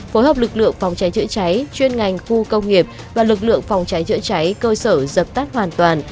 phối hợp lực lượng phòng cháy chữa cháy chuyên ngành khu công nghiệp và lực lượng phòng cháy chữa cháy cơ sở dập tắt hoàn toàn